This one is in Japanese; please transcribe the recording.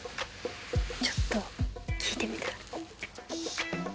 ちょっと聞いてみたら？